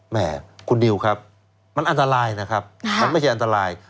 แม่คุณนิวครับมันอันตรายนะครับมันไม่ใช่อันตราย